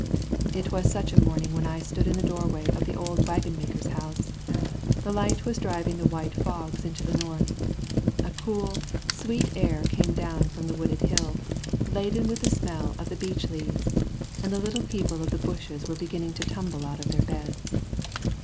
It was such a morning when I stood in the doorway of the old waggon maker's house. The light was driving the white fogs into the north. A cool, sweet air came down from the wooded hill, laden with the smell of the beech leaves, and the little people of the bushes were beginning to tumble out of their beds.